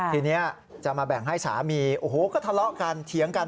ทีนี้จะมาแบ่งให้สามีโอ้โหก็ทะเลาะกันเถียงกัน